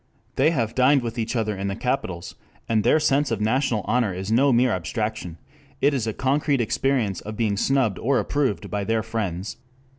They have dined with each other in the capitals, and their sense of national honor is no mere abstraction; it is a concrete experience of being snubbed or approved by their friends.